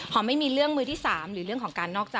ไม่มีเรื่องมือที่๓หรือเรื่องของการนอกใจ